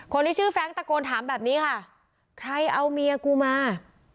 คนที่ชื่อแฟรงค์ตะโกนถามแบบนี้ค่ะใครเอาเมียกูมา